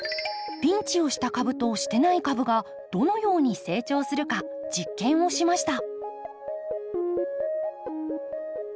ピンチをした株としていない株がどのように成長するか実験をしました。